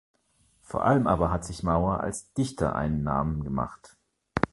Vor allem aber hat sich Mauer als Dichter einen Namen gemacht.